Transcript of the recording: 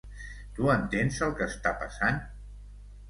Tu entens el que està passant?